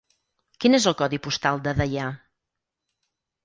Quin és el codi postal de Deià?